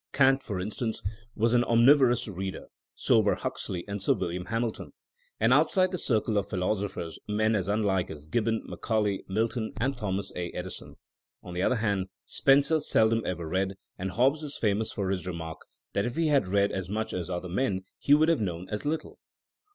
Kant, for instance, was an onmivorous reader; so were Huxley and Sir William Hamilton; and outside the circle of philosophers, men as unlike as Gibbon, Macau lay, Milton and Thomas A, Edison. On the other hand^ Spencer seldom ever read, and Hobbes is famous for his remark that if he had read as much as other men he would have known as little.